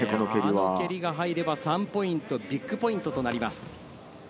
あの蹴りが入れば３ポイントとビッグポイントになります。